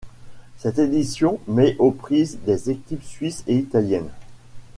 Cette édition met aux prises des équipes suisses et italiennes.